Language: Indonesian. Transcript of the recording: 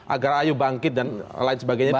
agar ayu bangkit dan lain sebagainya